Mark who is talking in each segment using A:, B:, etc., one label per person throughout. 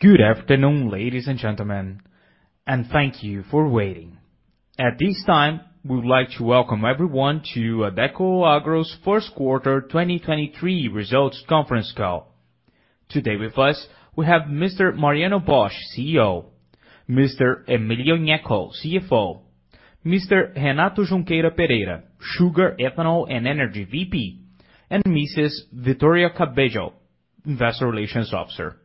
A: Good afternoon, ladies and gentlemen, and thank you for waiting. At this time, we would like to welcome everyone to Adecoagro's first quarter 2023 results conference call. Today with us, we have Mr. Mariano Bosch, CEO, Mr. Emilio Gnecco, CFO, Mr. Renato Junqueira Santos Pereira, Sugar, Ethanol, and Energy VP, and Mrs. Victoria Cabello, Investor Relations Officer.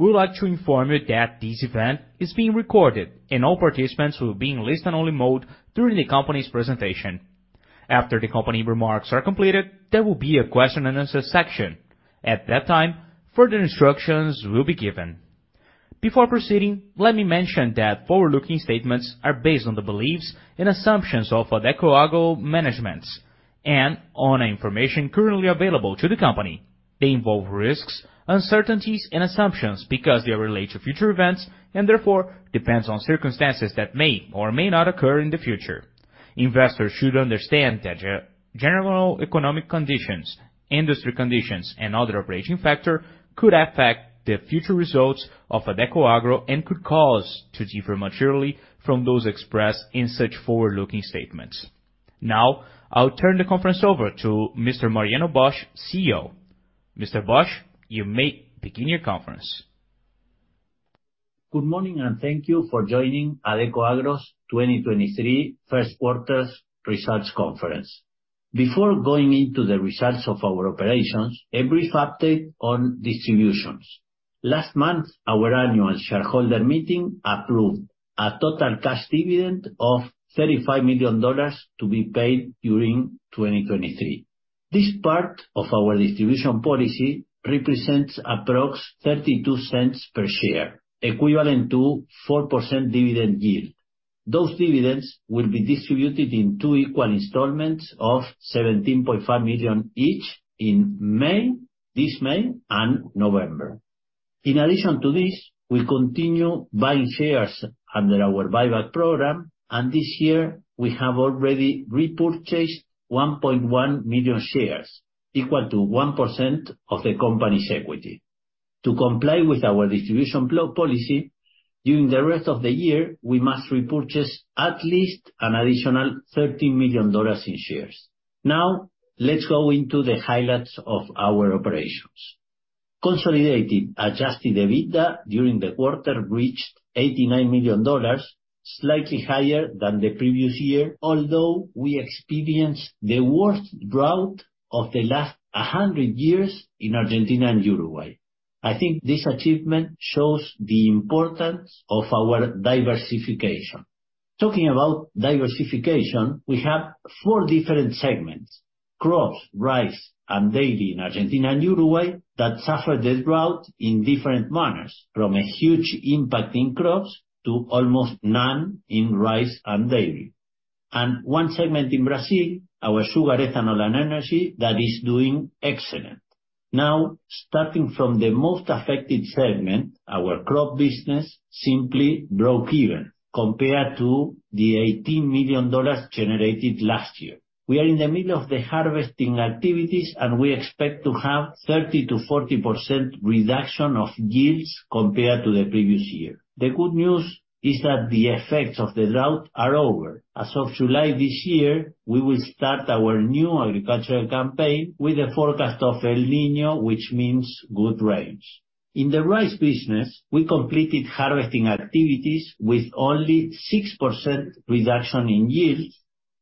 A: We would like to inform you that this event is being recorded and all participants will be in listen only mode during the company's presentation. After the company remarks are completed, there will be a question and answer section. At that time, further instructions will be given. Before proceeding, let me mention that forward-looking statements are based on the beliefs and assumptions of Adecoagro managements and on information currently available to the company. They involve risks, uncertainties, and assumptions because they relate to future events and therefore depends on circumstances that may or may not occur in the future. Investors should understand that general economic conditions, industry conditions, and other operating factor could affect the future results of Adecoagro and could cause to differ materially from those expressed in such forward-looking statements. I'll turn the conference over to Mr. Mariano Bosch, CEO. Mr. Bosch, you may begin your conference.
B: Good morning, and thank you for joining Adecoagro's 2023 first quarter results conference. Before going into the results of our operations, a brief update on distributions. Last month, our annual shareholder meeting approved a total cash dividend of $35 million to be paid during 2023. This part of our distribution policy represents approx $0.32 per share, equivalent to 4% dividend yield. Those dividends will be distributed in two equal installments of $17.5 million each in May, this May and November. In addition to this, we continue buying shares under our buyback program, and this year we have already repurchased 1.1 million shares, equal to 1% of the company's equity. To comply with our distribution policy, during the rest of the year, we must repurchase at least an additional $13 million in shares. Now, let's go into the highlights of our operations. Consolidating adjusted EBITDA during the quarter reached $89 million, slightly higher than the previous year, although we experienced the worst drought of the last 100 years in Argentina and Uruguay. I think this achievement shows the importance of our diversification. Talking about diversification, we have four different segments: crops, rice, and dairy in Argentina and Uruguay that suffer the drought in different manners, from a huge impact in crops to almost none in rice and dairy, and one segment in Brazil, our sugar, ethanol, and energy, that is doing excellent. Now, starting from the most affected segment, our crop business simply broke even compared to the $18 million generated last year. We are in the middle of the harvesting activities, and we expect to have 30%-40% reduction of yields compared to the previous year. The good news is that the effects of the drought are over. As of July this year, we will start our new agricultural campaign with a forecast of El Niño, which means good rains. In the rice business, we completed harvesting activities with only 6% reduction in yields,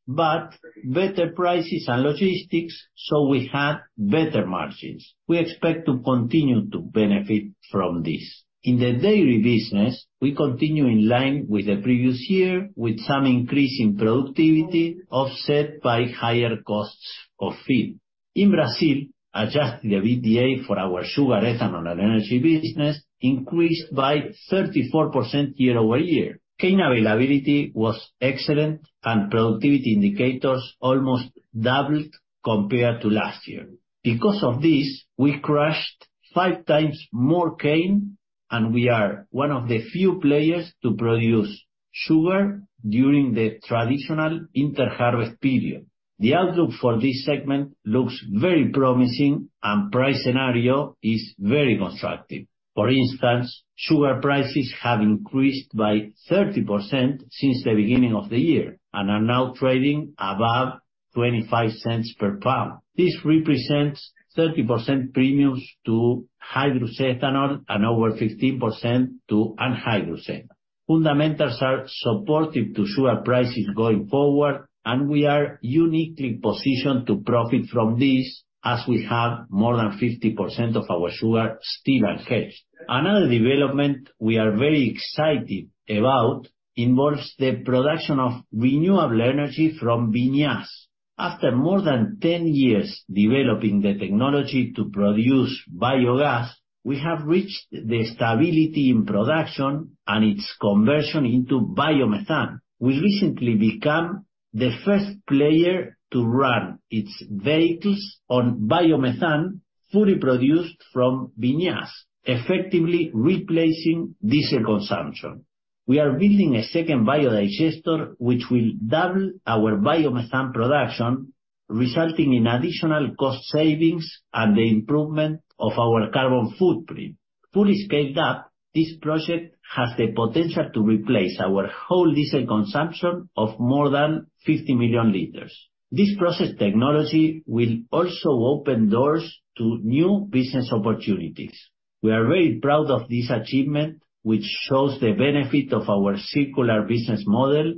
B: but better prices and logistics, so we had better margins. We expect to continue to benefit from this. In the dairy business, we continue in line with the previous year with some increase in productivity offset by higher costs of feed. In Brazil, adjusted EBITDA for our sugar, ethanol, and energy business increased by 34% year-over-year. Cane availability was excellent, and productivity indicators almost doubled compared to last year. Because of this, we crushed 5 times more cane, and we are one of the few players to produce sugar during the traditional inter-harvest period. The outlook for this segment looks very promising. The price scenario is very constructive. For instance, sugar prices have increased by 30% since the beginning of the year and are now trading above $0.25 per pound. This represents 30% premiums to hydrous ethanol and over 15% to anhydrous ethanol. Fundamentals are supportive to sugar prices going forward. We are uniquely positioned to profit from this as we have more than 50% of our sugar still unhedged. Another development we are very excited about involves the production of renewable energy from vinasse. After more than 10 years developing the technology to produce biogas, we have reached the stability in production and its conversion into biomethane. We recently became the first player to run its vehicles on biomethane fully produced from vinasse, effectively replacing diesel consumption. We are building a second biodigester which will double our biomethane production. Resulting in additional cost savings and the improvement of our carbon footprint. Fully scaled up, this project has the potential to replace our whole diesel consumption of more than 50 million liters. This process technology will also open doors to new business opportunities. We are very proud of this achievement, which shows the benefit of our circular business model,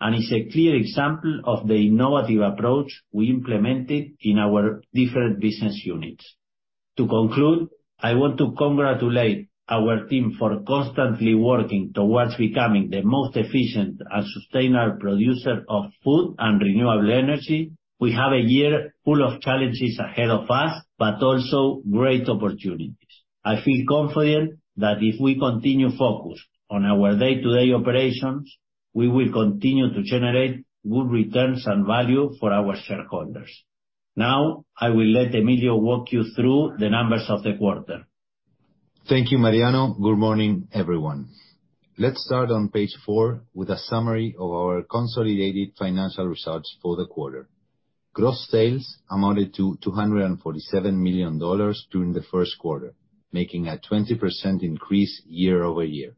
B: and is a clear example of the innovative approach we implemented in our different business units. To conclude, I want to congratulate our team for constantly working towards becoming the most efficient and sustainable producer of food and renewable energy. We have a year full of challenges ahead of us, but also great opportunities. I feel confident that if we continue focused on our day-to-day operations, we will continue to generate good returns and value for our shareholders. Now, I will let Emilio walk you through the numbers of the quarter.
C: Thank you, Mariano. Good morning, everyone. Let's start on page four with a summary of our consolidated financial results for the quarter. Gross sales amounted to $247 million during the first quarter, making a 20% increase year-over-year.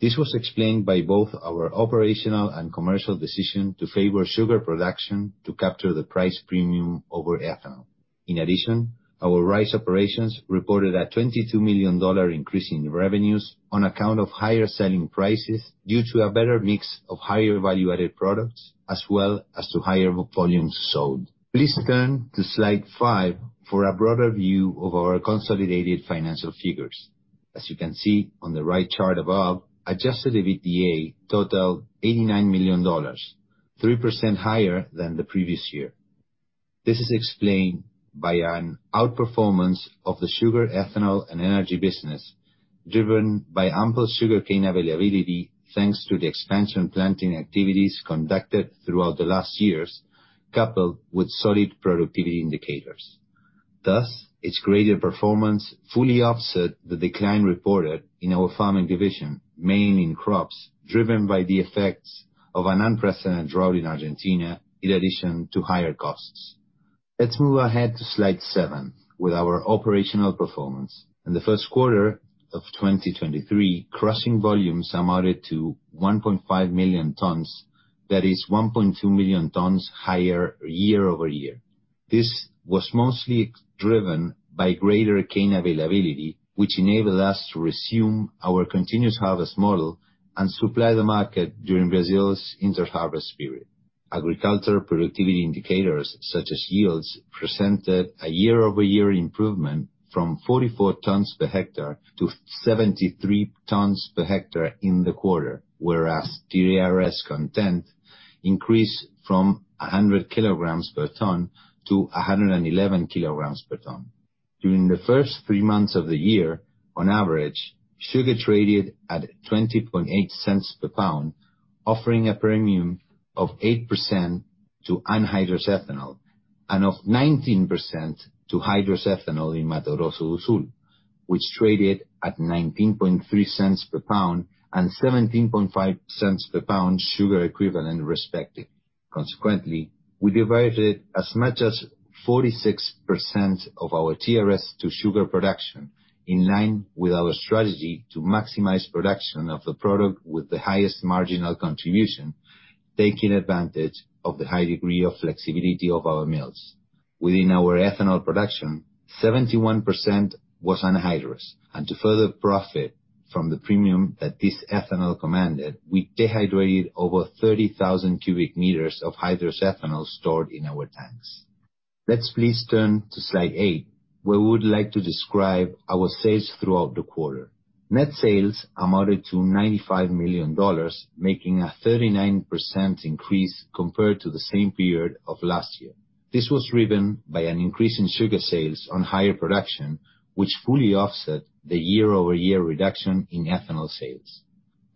C: This was explained by both our operational and commercial decision to favor sugar production to capture the price premium over ethanol. In addition, our rice operations reported a $22 million increase in revenues on account of higher selling prices due to a better mix of higher value-added products as well as to higher volumes sold. Please turn to slide five for a broader view of our consolidated financial figures. As you can see on the right chart above, adjusted EBITDA totaled $89 million, 3% higher than the previous year. This is explained by an outperformance of the sugar, ethanol, and energy business, driven by ample sugarcane availability, thanks to the expansion planting activities conducted throughout the last years, coupled with solid productivity indicators. Its greater performance fully offset the decline reported in our farming division, mainly in crops, driven by the effects of an unprecedented drought in Argentina, in addition to higher costs. Let's move ahead to slide 7 with our operational performance. In the first quarter of 2023, crushing volumes amounted to 1.5 million tons. That is 1.2 million tons higher year-over-year. This was mostly driven by greater cane availability, which enabled us to resume our continuous harvest model and supply the market during Brazil's interharvest period. Agricultural productivity indicators, such as yields, presented a year-over-year improvement from 44 tons per hectare to 73 tons per hectare in the quarter, whereas TRS content increased from 100 kilograms per ton to 111 kilograms per ton. During the first three months of the year, on average, sugar traded at $0.208 per pound, offering a premium of 8% to anhydrous ethanol and of 19% to hydrous ethanol in Mato Grosso do Sul, which traded at $0.193 per pound and $0.175 per pound sugar equivalent, respectively. Consequently, we diverted as much as 46% of our TRS to sugar production, in line with our strategy to maximize production of the product with the highest marginal contribution, taking advantage of the high degree of flexibility of our mills. Within our ethanol production, 71% was anhydrous, and to further profit from the premium that this ethanol commanded, we dehydrated over 30,000 cubic meters of hydrous ethanol stored in our tanks. Let's please turn to slide 8, where we would like to describe our sales throughout the quarter. Net sales amounted to $95 million, making a 39% increase compared to the same period of last year. This was driven by an increase in sugar sales on higher production, which fully offset the year-over-year reduction in ethanol sales.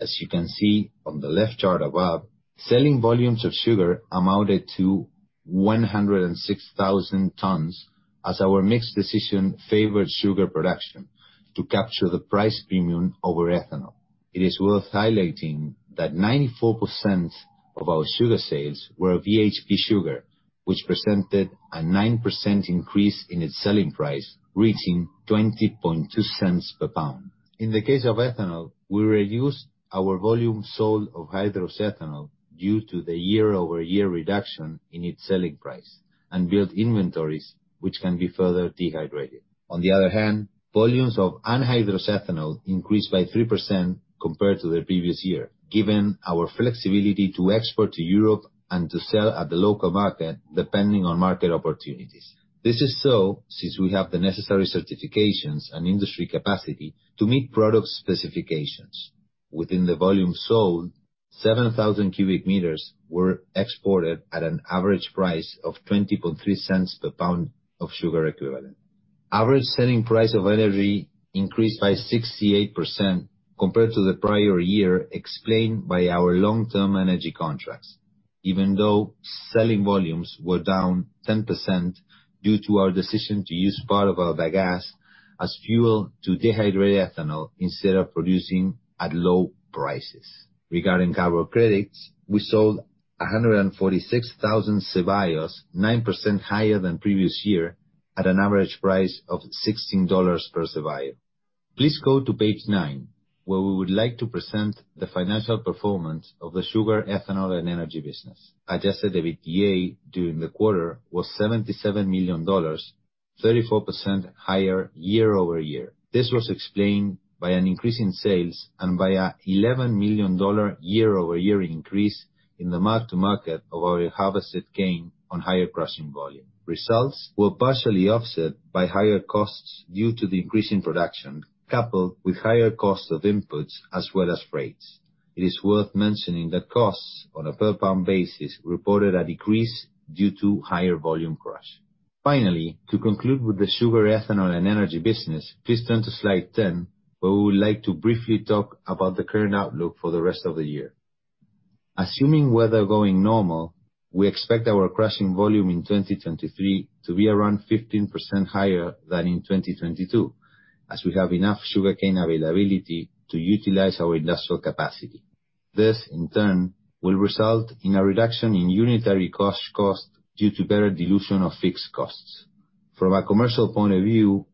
C: As you can see on the left chart above, selling volumes of sugar amounted to 106,000 tons as our mix decision favored sugar production to capture the price premium over ethanol. It is worth highlighting that 94% of our sugar sales were VHP sugar, which presented a 9% increase in its selling price, reaching $0.202 per pound. In the case of ethanol, we reduced our volume sold of hydrous ethanol due to the year-over-year reduction in its selling price and built inventories which can be further dehydrated. On the other hand, volumes of anhydrous ethanol increased by 3% compared to the previous year, given our flexibility to export to Europe and to sell at the local market, depending on market opportunities. This is so since we have the necessary certifications and industry capacity to meet product specifications. Within the volume sold, 7,000 cubic meters were exported at an average price of $0.203 per pound of sugar equivalent. Average selling price of energy increased by 68% compared to the prior year, explained by our long-term energy contracts, even though selling volumes were down 10% due to our decision to use part of our bagasse as fuel to dehydrate ethanol instead of producing at low prices. Regarding carbon credits, we sold 146,000 CBios, 9% higher than previous year, at an average price of $16 per CBio. Please go to page 9, where we would like to present the financial performance of the sugar, ethanol, and energy business. Adjusted EBITDA during the quarter was $77 million, 34% higher year-over-year. This was explained by an increase in sales and by a $11 million year-over-year increase in the mark-to-market of our harvested gain on higher crushing volume. Results were partially offset by higher costs due to the increase in production, coupled with higher costs of inputs as well as rates. It is worth mentioning that costs on a per pound basis reported a decrease due to higher volume crush. Finally, to conclude with the sugar, ethanol, and energy business, please turn to slide 10, where we would like to briefly talk about the current outlook for the rest of the year. Assuming weather going normal, we expect our crushing volume in 2023 to be around 15% higher than in 2022, as we have enough sugarcane availability to utilize our industrial capacity. This, in turn, will result in a reduction in unitary cost due to better dilution of fixed costs. From a commercial point of view,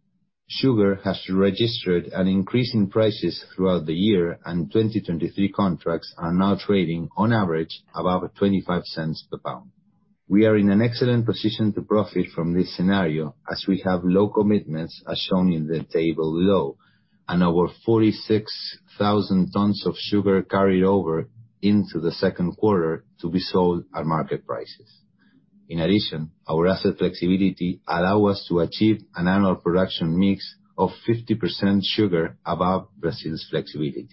C: sugar has registered an increase in prices throughout the year, and 2023 contracts are now trading on average above $0.25 per pound. We are in an excellent position to profit from this scenario as we have low commitments, as shown in the table below, and over 46,000 tons of sugar carried over into the second quarter to be sold at market prices. Our asset flexibility allow us to achieve an annual production mix of 50% sugar above Brazil's flexibility.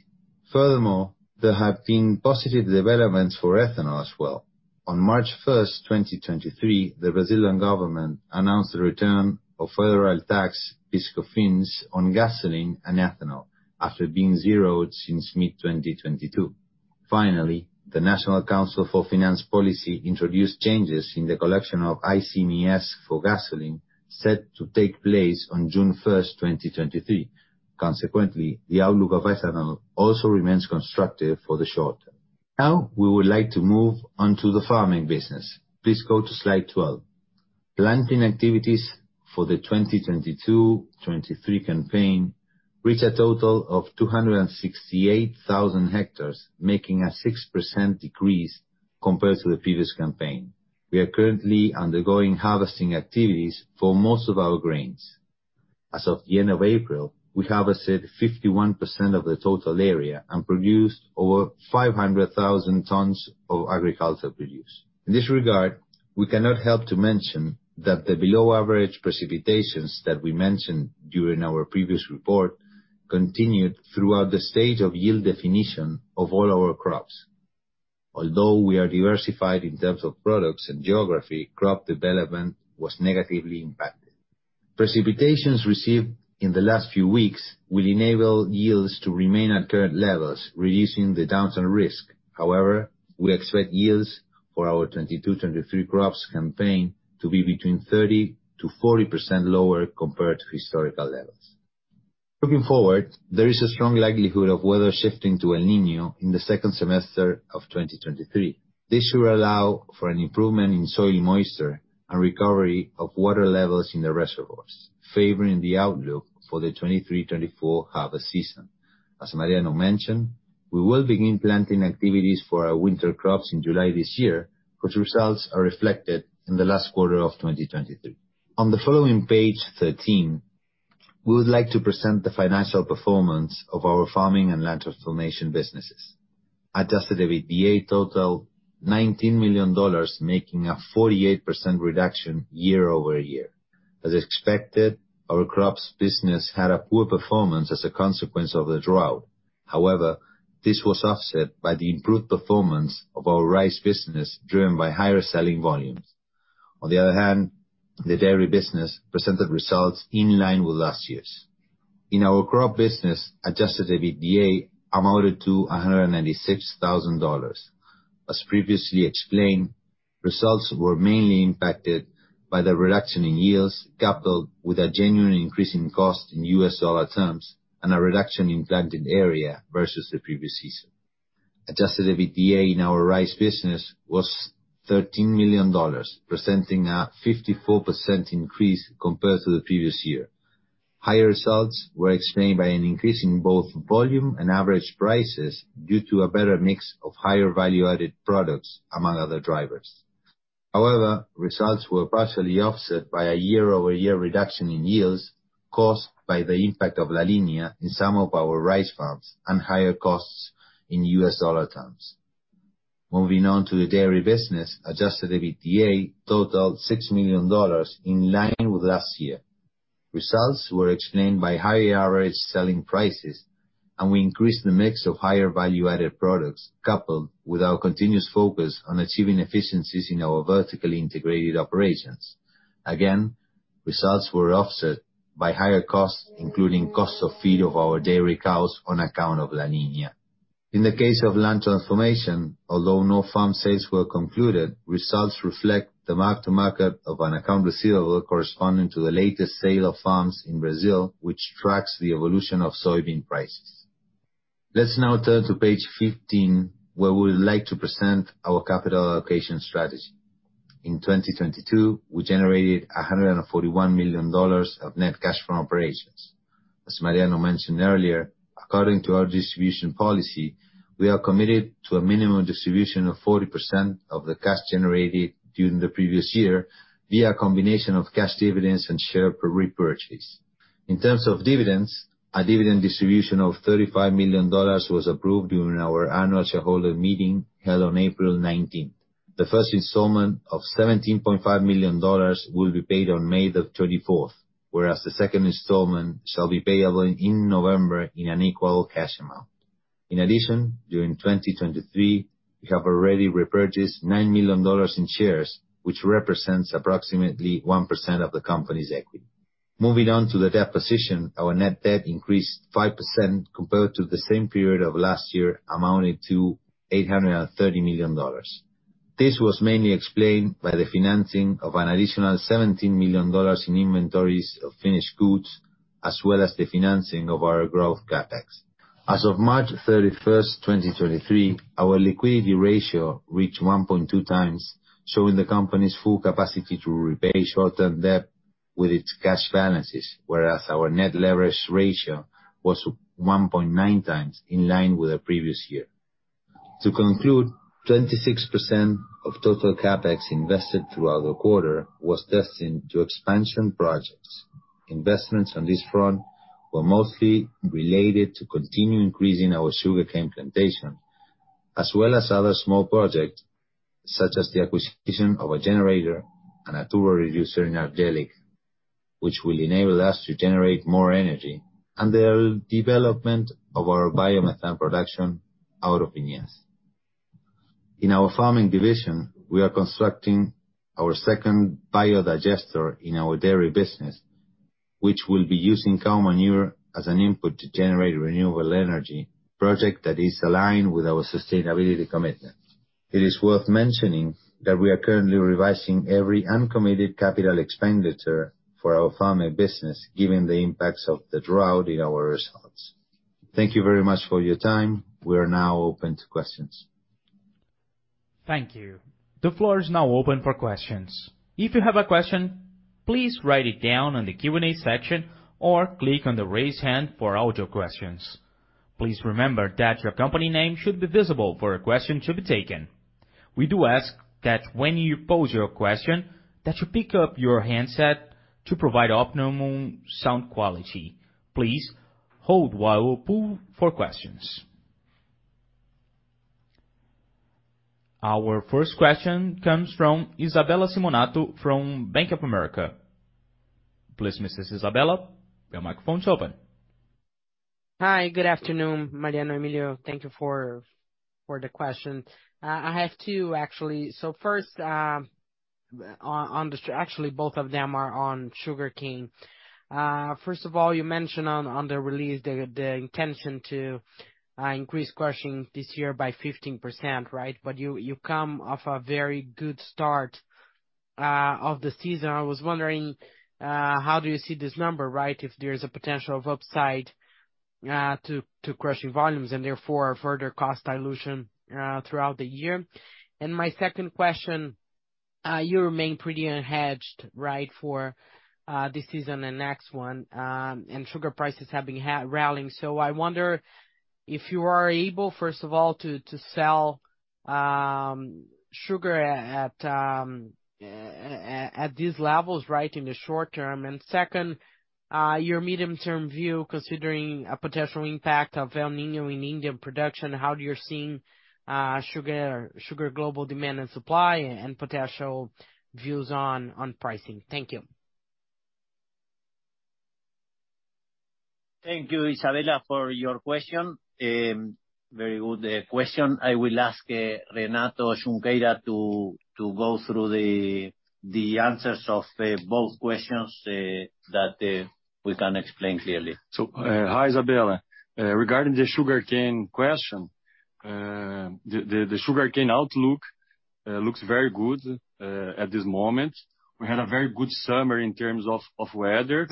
C: There have been positive developments for ethanol as well. On March first, 2023, the Brazilian government announced the return of federal tax, PIS/Cofins, on gasoline and ethanol after being zeroed since mid-2022. The National Council for Financial Policy introduced changes in the collection of ICMS for gasoline, set to take place on June first, 2023. Consequently, the outlook of ethanol also remains constructive for the short term. We would like to move on to the farming business. Please go to slide 12. Planting activities for the 2022/2023 campaign reached a total of 268,000 hectares, making a 6% decrease compared to the previous campaign. We are currently undergoing harvesting activities for most of our grains. As of the end of April, we harvested 51% of the total area and produced over 500,000 tons of agriculture produce. In this regard, we cannot help to mention that the below average precipitations that we mentioned during our previous report continued throughout the stage of yield definition of all our crops. Although we are diversified in terms of products and geography, crop development was negatively impacted. Precipitations received in the last few weeks will enable yields to remain at current levels, reducing the downside risk. However, we expect yields for our 22/23 crops campaign to be between 30%-40% lower compared to historical levels. Looking forward, there is a strong likelihood of weather shifting to El Niño in the second semester of 2023. This should allow for an improvement in soil moisture and recovery of water levels in the reservoirs, favoring the outlook for the 23/24 harvest season. As Mariano mentioned, we will begin planting activities for our winter crops in July this year, which results are reflected in the last quarter of 2023. On the following page, 13, we would like to present the financial performance of our farming and land transformation businesses. Adjusted EBITDA totaled $19 million, making a 48% reduction year-over-year. As expected, our crops business had a poor performance as a consequence of the drought. This was offset by the improved performance of our rice business, driven by higher selling volumes. The dairy business presented results in line with last year's. In our crop business, adjusted EBITDA amounted to $196,000. As previously explained, results were mainly impacted by the reduction in yields, coupled with a genuine increase in cost in U.S. dollar terms and a reduction in planted area versus the previous season. Adjusted EBITDA in our rice business was $13 million, presenting a 54% increase compared to the previous year. Higher results were explained by an increase in both volume and average prices due to a better mix of higher value-added products, among other drivers. Results were partially offset by a year-over-year reduction in yields caused by the impact of La Niña in some of our rice farms and higher costs in U.S. dollar terms. Moving on to the dairy business, adjusted EBITDA totaled $6 million, in line with last year. Results were explained by higher average selling prices, and we increased the mix of higher value-added products, coupled with our continuous focus on achieving efficiencies in our vertically integrated operations. Again, results were offset by higher costs, including cost of feed of our dairy cows on account of La Niña. In the case of land transformation, although no farm sales were concluded, results reflect the mark-to-market of an account receivable corresponding to the latest sale of farms in Brazil, which tracks the evolution of soybean prices. Let's now turn to page 15, where we would like to present our capital allocation strategy. In 2022, we generated $141 million of net cash from operations. As Mariano mentioned earlier, according to our distribution policy, we are committed to a minimum distribution of 40% of the cash generated during the previous year via a combination of cash dividends and share repurchase. In terms of dividends, a dividend distribution of $35 million was approved during our annual shareholder meeting held on April 19th. The first installment of $17.5 million will be paid on May 24th, whereas the second installment shall be payable in November in an equal cash amount. In addition, during 2023, we have already repurchased $9 million in shares, which represents approximately 1% of the company's equity. Moving on to the debt position, our net debt increased 5% compared to the same period of last year, amounting to $830 million. This was mainly explained by the financing of an additional $17 million in inventories of finished goods, as well as the financing of our growth CapEx. As of March 31, 2023, our liquidity ratio reached 1.2 times, showing the company's full capacity to repay short-term debt with its cash balances, whereas our net leverage ratio was 1.9 times in line with the previous year. To conclude, 26% of total CapEx invested throughout the quarter was destined to expansion projects. Investments on this front were mostly related to continue increasing our sugarcane plantation, as well as other small projects, such as the acquisition of a generator and a turbo reducer in Angélica, which will enable us to generate more energy and the development of our biomethane production out of Ivinhema. In our farming division, we are constructing our second biodigester in our dairy business, which will be using cow manure as an input to generate renewable energy project that is aligned with our sustainability commitment. It is worth mentioning that we are currently revising every uncommitted capital expenditure for our farming business, given the impacts of the drought in our results. Thank you very much for your time. We are now open to questions.
A: Thank you. The floor is now open for questions. If you have a question, please write it down on the Q&A section or click on the Raise Hand for audio questions. Please remember that your company name should be visible for a question to be taken. We do ask that when you pose your question, that you pick up your handset to provide optimum sound quality. Please hold while pull for questions. Our first question comes from Isabella Simonato from Bank of America. Please, Mrs. Isabella, your microphone is open.
D: Hi, good afternoon, Mariano, Emilio. Thank you for the question. I have two, actually. First, actually, both of them are on sugarcane. First of all, you mentioned on the release the intention to increase crushing this year by 15%, right? You come off a very good start of the season. I was wondering how do you see this number, right? If there is a potential of upside to crushing volumes and therefore further cost dilution throughout the year. My second question, you remain pretty unhedged, right, for this season and next one, and sugar prices have been rallying. I wonder if you are able, first of all, to sell sugar at these levels, right, in the short term. Second, your medium-term view considering a potential impact of El Niño in Indian production, how you're seeing sugar global demand and supply and potential views on pricing. Thank you.
C: Thank you, Isabella, for your question. Very good question. I will ask Renato Junqueira to go through the answers of both questions that we can explain clearly.
E: Hi, Isabella. Regarding the sugarcane question, the sugarcane outlook looks very good at this moment. We had a very good summer in terms of weather.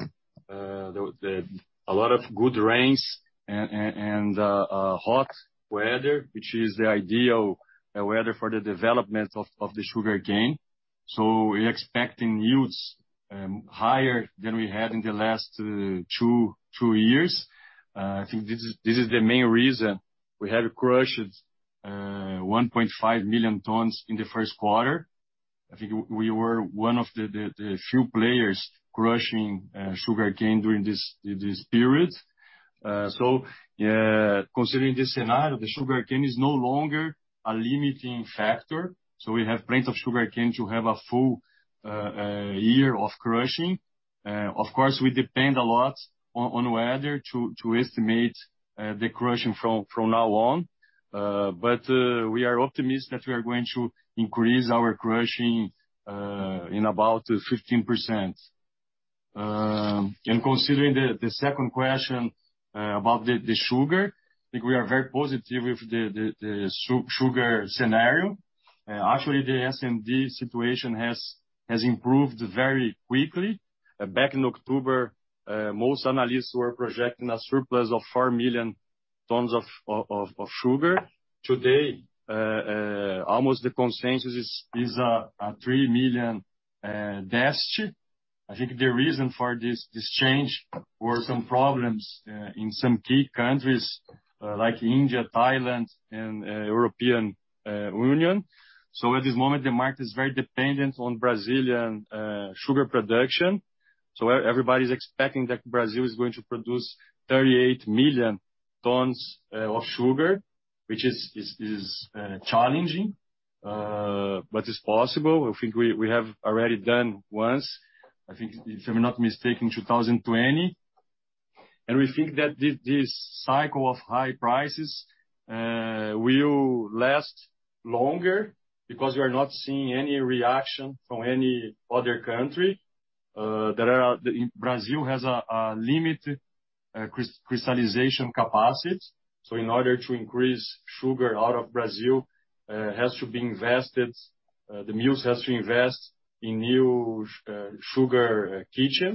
E: A lot of good rains and hot weather, which is the ideal weather for the development of the sugarcane. We're expecting yields higher than we had in the last two years. I think this is the main reason we had crushed 1.5 million tons in the first quarter. I think we were one of the few players crushing sugarcane during this period. Considering this scenario, the sugarcane is no longer a limiting factor. We have plenty of sugarcane to have a full year of crushing. Of course, we depend a lot on weather to estimate the crushing from now on. We are optimistic that we are going to increase our crushing in about 15%. Considering the second question about the sugar, I think we are very positive with the sugar scenario. Actually the S&D situation has improved very quickly. Back in October, most analysts were projecting a surplus of 4 million tons of sugar. Today, almost the consensus is a 3 million deficit. I think the reason for this change were some problems in some key countries like India, Thailand, and European Union. At this moment, the market is very dependent on Brazilian sugar production. Everybody's expecting that Brazil is going to produce 38 million tons of sugar, which is challenging, but it's possible. I think we have already done once. I think, if I'm not mistaken, 2020. We think that this cycle of high prices will last longer because we are not seeing any reaction from any other country that are. Brazil has a limit crystallization capacity, so in order to increase sugar out of Brazil has to be invested. The mills has to invest in new sugar mill,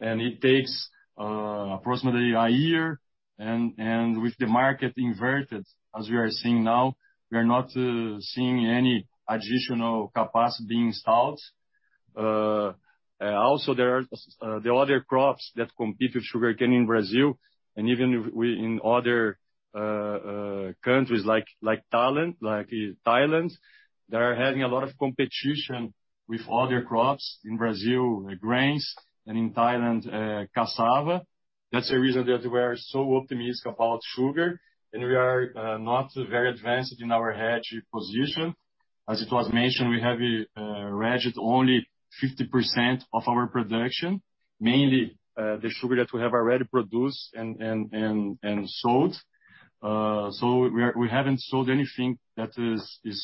E: and it takes approximately a year. And with the market inverted as we are seeing now, we are not seeing any additional capacity being installed. Also there's the other crops that compete with sugarcane in Brazil, even if in other countries like Thailand, they are having a lot of competition with other crops. In Brazil, grains, and in Thailand, cassava. That's the reason that we are so optimistic about sugar, and we are not very advanced in our hedge position. As it was mentioned, we have hedged only 50% of our production, mainly, the sugar that we have already produced and sold. We haven't sold anything that is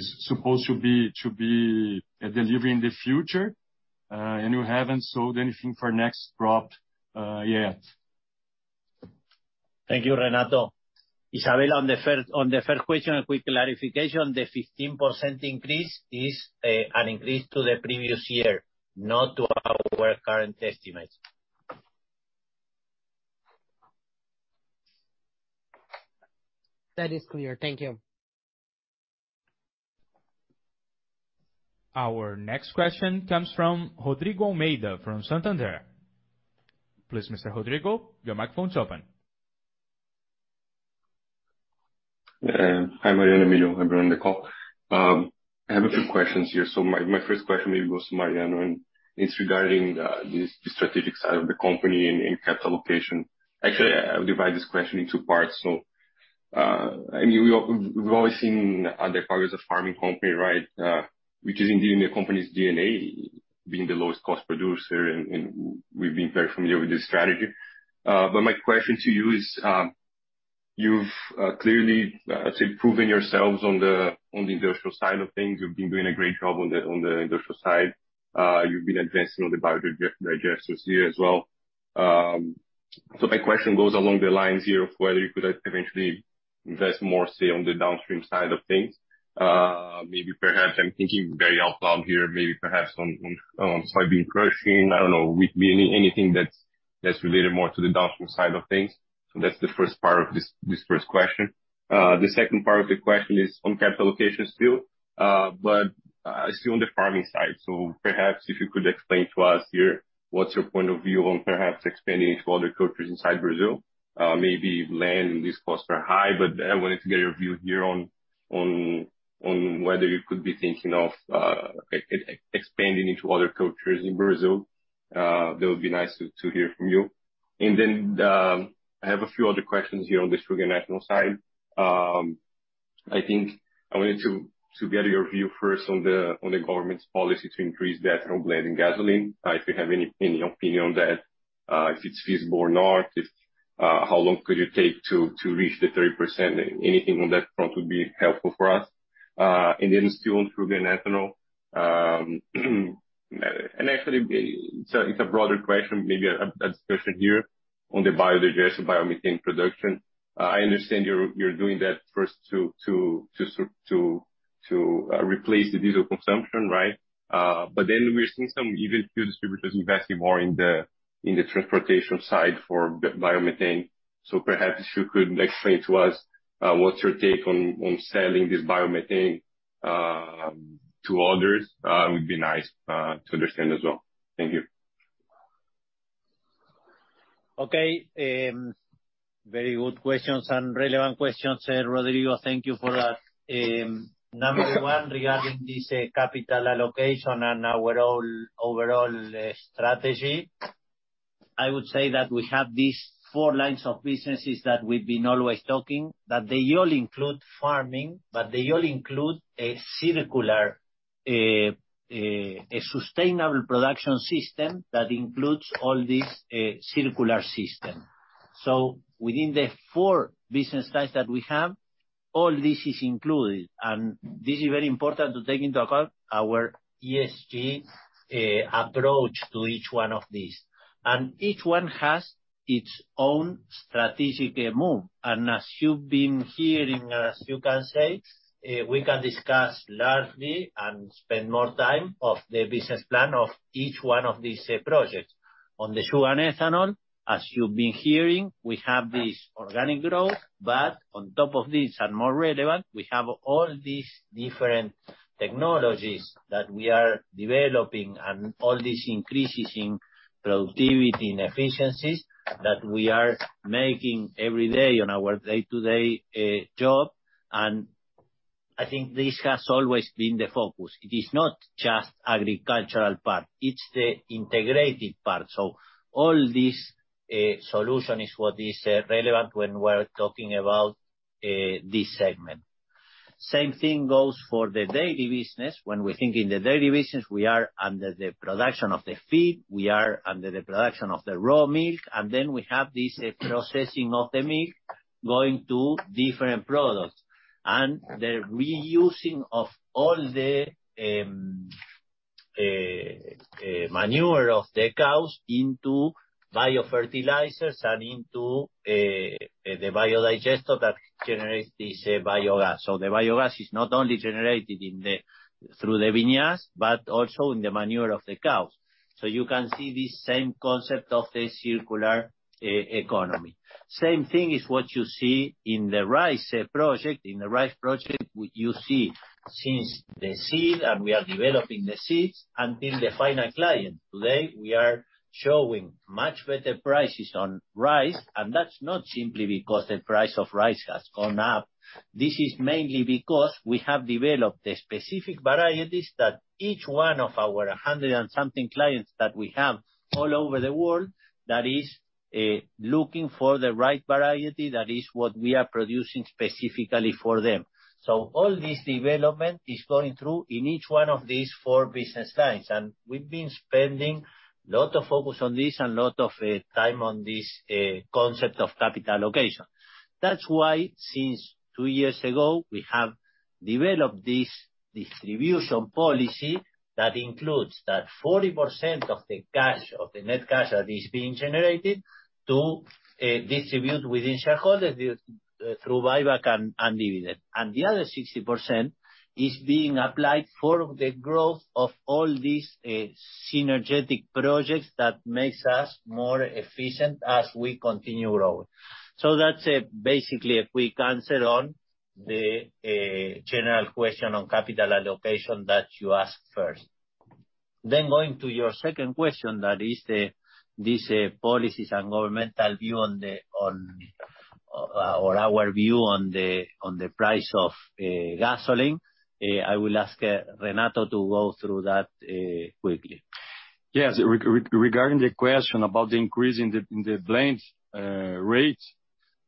E: supposed to be delivered in the future, and we haven't sold anything for next crop yet.
B: Thank you, Renato. Isabel, on the third question, a quick clarification. The 15% increase is an increase to the previous year, not to our current estimates.
D: That is clear. Thank you.
A: Our next question comes from Rodrigo Almeida from Santander. Please, Mr. Rodrigo, your microphone is open.
F: Hi, Mariano, Emilio. Hi, everyone on the call. I have a few questions here. My first question maybe goes to Mariano, and it's regarding the strategic side of the company and capital allocation. Actually, I'll divide this question in two parts. I mean, we've always seen Adecoagro as a farming company, right? Which is indeed in the company's DNA, being the lowest cost producer and we've been very familiar with this strategy. My question to you is, you've clearly proven yourselves on the industrial side of things. You've been doing a great job on the industrial side. You've been advancing on the biodigesters here as well. My question goes along the lines here of whether you could eventually invest more, say, on the downstream side of things. Maybe perhaps I'm thinking very out loud here, maybe perhaps on soybean crushing. I don't know. Anything that's related more to the downstream side of things. That's the first part of this first question. The second part of the question is on capital allocation still, but still on the farming side. Perhaps if you could explain to us here what's your point of view on perhaps expanding into other cultures inside Brazil. Maybe land and these costs are high, but I wanted to get your view here on whether you could be thinking of expanding into other cultures in Brazil. That would be nice to hear from you. I have a few other questions here on the sugar and ethanol side. I think I wanted to get your view first on the government's policy to increase the ethanol blend in gasoline. If you have any opinion on that, if it's feasible or not, how long could it take to reach the 3%? Anything on that front would be helpful for us. Still on sugar and ethanol, it's a broader question, maybe a discussion here on the biodigestion, biomethane production. I understand you're doing that first to replace the diesel consumption, right? We're seeing some even fuel distributors investing more in the transportation side for biomethane. Perhaps if you could explain to us, what's your take on selling this biomethane to others, it would be nice to understand as well. Thank you.
B: Okay. Very good questions and relevant questions, Rodrigo. Thank you for that. Number one, regarding this capital allocation and our role, overall, strategy, I would say that we have these four lines of businesses that we've been always talking, that they all include farming, but they all include a circular, a sustainable production system that includes all these circular system. Within the four business types that we have, all this is included, and this is very important to take into account our ESG approach to each one of these. Each one has its own strategic move. As you've been hearing, as you can say, we can discuss largely and spend more time of the business plan of each one of these projects. On the sugar and ethanol, as you've been hearing, we have this organic growth, but on top of this and more relevant, we have all these different technologies that we are developing and all these increases in productivity and efficiencies that we are making every day on our day-to-day job. I think this has always been the focus. It is not just agricultural part, it's the integrated part. All this solution is what is relevant when we're talking about this segment. Same thing goes for the dairy business. We think in the dairy business, we are under the production of the feed, we are under the production of the raw milk, and then we have this processing of the milk going to different products, and the reusing of all the manure of the cows into biofertilizers and into the biodigester that generates this biogas. The biogas is not only generated through the vinasse, but also in the manure of the cows. You can see this same concept of the circular e-economy. Same thing is what you see in the rice project. In the rice project you see since the seed, and we are developing the seeds until the final client. Today, we are showing much better prices on rice, and that's not simply because the price of rice has gone up. This is mainly because we have developed the specific varieties that each one of our 100 and something clients that we have all over the world, that is looking for the right variety, that is what we are producing specifically for them. All this development is going through in each one of these 4 business lines. We've been spending lot of focus on this and lot of time on this concept of capital allocation. Since 2 years ago, we have developed this distribution policy that includes that 40% of the cash, of the net cash that is being generated to distribute within shareholders us- through buyback and dividend. The other 60% is being applied for the growth of all these synergetic projects that makes us more efficient as we continue growing. That's basically a quick answer on the general question on capital allocation that you asked first. Going to your second question that is the, this policies and governmental view on the or our view on the price of gasoline, I will ask Renato to go through that quickly.
E: Yes. Regarding the question about the increase in the blends rates,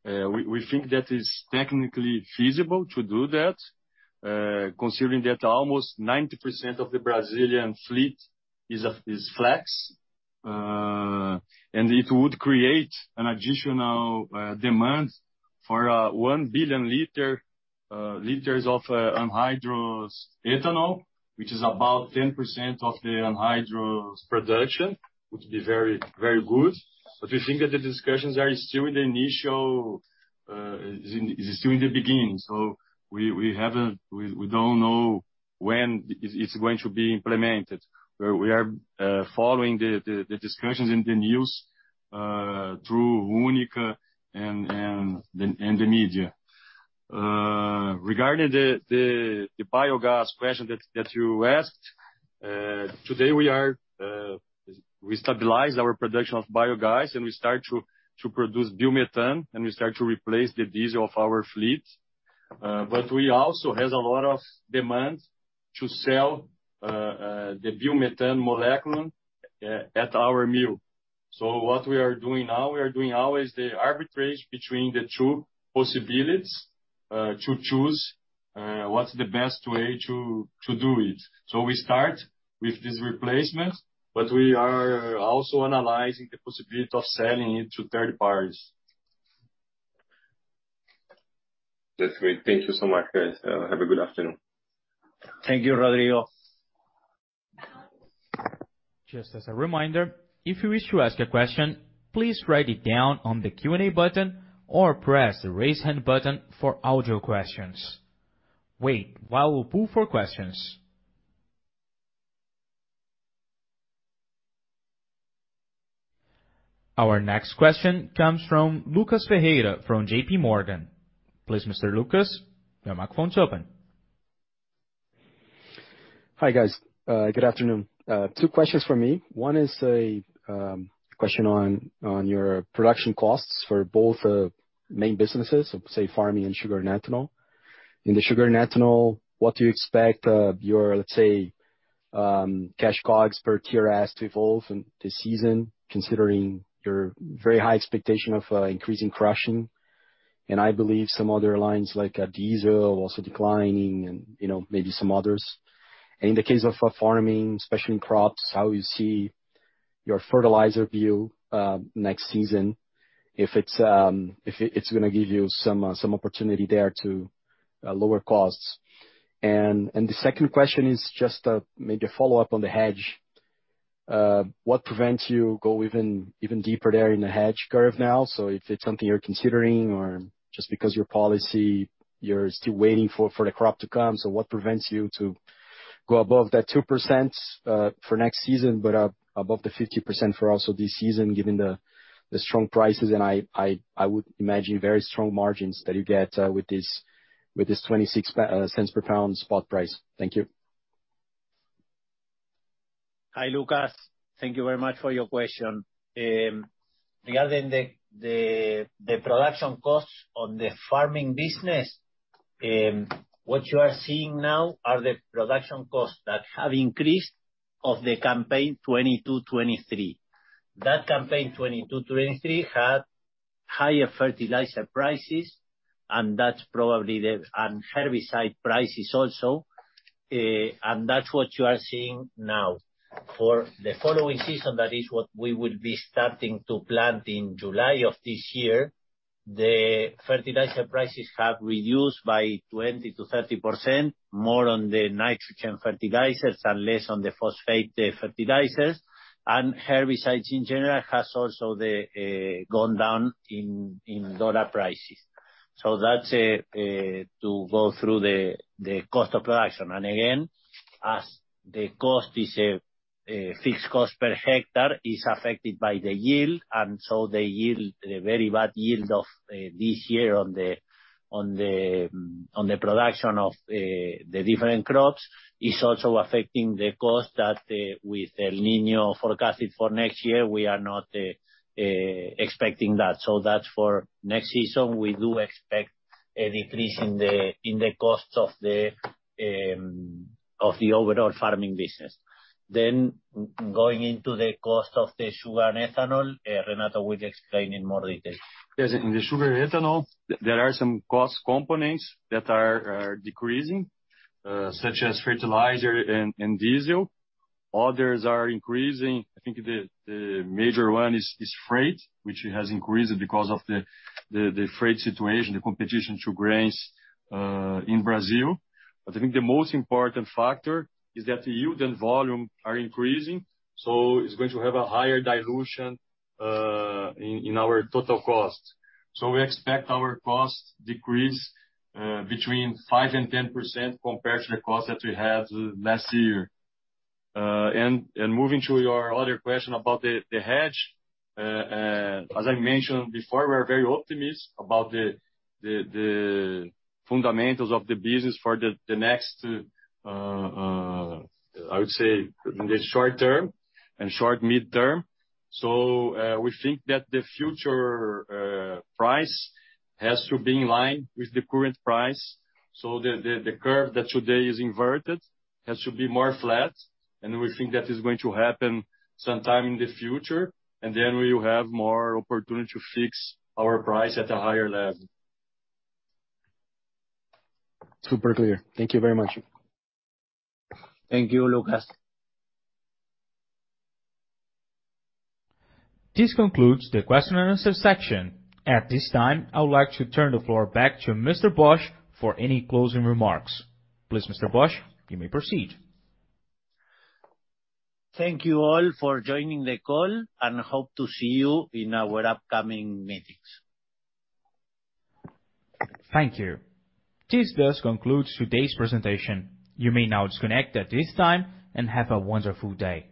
E: we think that is technically feasible to do that, considering that almost 90% of the Brazilian fleet is flex-fuel. It would create an additional demand for 1 billion liters of anhydrous ethanol, which is about 10% of the anhydrous production, which would be very good. We think that the discussions are still in the beginning, we don't know when it's going to be implemented. We are following the discussions in the news through UNICA and the media. Regarding the biogas question that you asked, today we are, we stabilize our production of biogas and we start to produce biomethane and we start to replace the diesel of our fleet. We also has a lot of demand to sell the biomethane molecule at our mill. What we are doing now, we are doing always the arbitrage between the two possibilities, to choose what's the best way to do it. We start with this replacement, but we are also analyzing the possibility of selling it to third parties.
F: That's great. Thank you so much, guys. Have a good afternoon.
B: Thank you, Rodrigo.
A: Just as a reminder, if you wish to ask a question, please write it down on the Q&A button or press the Raise Hand button for audio questions. Wait while we pull for questions. Our next question comes from Lucas Ferreira from JPMorgan. Please, Mr. Lucas, your microphone is open.
G: Hi, guys. Good afternoon. Two questions from me. One is a question on your production costs for both main businesses, so say, farming and sugar and ethanol. In the sugar and ethanol, what do you expect your, let's say, cash COGS per TRS to evolve in this season, considering your very high expectation of increasing crushing? I believe some other lines like diesel also declining and, you know, maybe some others. In the case of farming, especially in crops, how you see your fertilizer view next season, if it's gonna give you some opportunity there to lower costs? The second question is just maybe a follow-up on the hedge. What prevents you go even deeper there in the hedge curve now? If it's something you're considering or just because your policy. You're still waiting for the crop to come, what prevents you to go above that 2% for next season, but above the 50% for also this season, given the strong prices and I would imagine very strong margins that you get with this 26 cents per pound spot price. Thank you.
B: Hi, Lucas. Thank you very much for your question. Regarding the production costs on the farming business, what you are seeing now are the production costs that have increased of the campaign 2022-2023. The campaign 2022-2023 had higher fertilizer prices. Herbicide prices also, that's what you are seeing now. For the following season, that is what we will be starting to plant in July of this year, the fertilizer prices have reduced by 20%-30%, more on the nitrogen fertilizers and less on the phosphate fertilizers. Herbicides, in general, has also gone down in $ prices. That's to go through the cost of production. Again, as the cost is a fixed cost per hectare is affected by the yield, the very bad yield of this year on the production of the different crops is also affecting the cost that with El Niño forecasted for next year, we are not expecting that. That's for next season, we do expect a decrease in the cost of the overall farming business. Going into the cost of the sugar and ethanol, Renato will explain in more detail.
E: Yes. In the sugar and ethanol, there are some cost components that are decreasing, such as fertilizer and diesel. Others are increasing. I think the major one is freight, which has increased because of the freight situation, the competition to grains in Brazil. I think the most important factor is that the yield and volume are increasing, so it's going to have a higher dilution in our total cost. We expect our cost decrease between 5% and 10% compared to the cost that we had last year. Moving to your other question about the hedge, as I mentioned before, we are very optimistic about the fundamentals of the business for the next, I would say in the short term and short/midterm. We think that the future, price has to be in line with the current price. The curve that today is inverted has to be more flat, and we think that is going to happen sometime in the future. Then we will have more opportunity to fix our price at a higher level.
G: Super clear. Thank you very much.
B: Thank you, Lucas.
A: This concludes the question and answer section. At this time, I would like to turn the floor back to Mr. Bosch for any closing remarks. Please, Mr. Bosch, you may proceed.
B: Thank you all for joining the call, and hope to see you in our upcoming meetings.
A: Thank you. This does conclude today's presentation. You may now disconnect at this time, and have a wonderful day.